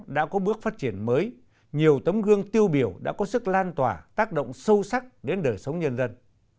đã có bước phát triển mới nhiều tấm gương tiêu biểu đã có sức lan tỏa tác động sâu sắc đến đời sống nhân dân